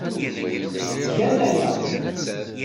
Tgam aya.